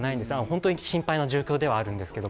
本当に心配な状況ではあるんですけど。